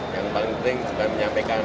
yang paling penting juga menyampaikan